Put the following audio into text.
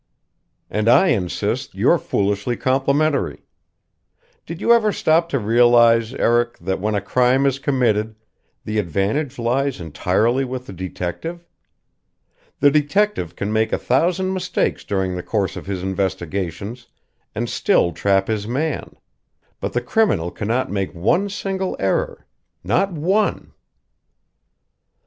"And I insist that you're foolishly complimentary. Did you ever stop to realize, Eric, that when a crime is committed the advantage lies entirely with the detective? The detective can make a thousand mistakes during the course of his investigations and still trap his man; but the criminal cannot make one single error not one!"